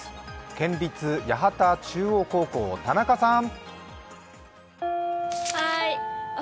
県立八幡中央高校、田中さん。